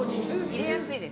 入れやすいです。